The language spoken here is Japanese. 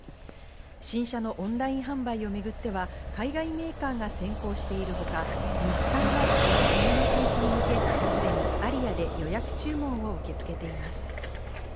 新車のオンライン販売をめぐっては、海外メーカーが先行しているほか日産もこの冬の開始に向け、すでにアリアで予約注文を受け付けています。